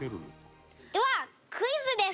ではクイズです！